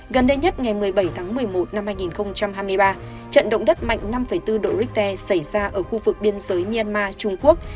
gần đây nhất ngày một mươi bảy tháng một mươi một năm hai nghìn hai mươi ba trận động đất mạnh năm bốn độ richter xảy ra ở khu vực biên giới myanmar trung quốc